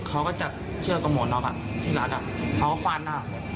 เขาก็จะเชื่อกับหมวนน้อที่ร้านเขาก็ฟาดหน้า